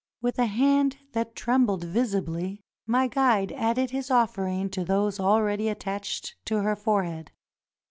With a hand that trembled visibly my guide added his offering to those already attached to her forehead.